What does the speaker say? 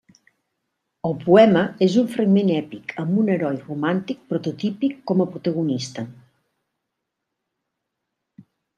El poema és un fragment èpic amb un heroi romàntic prototípic com a protagonista.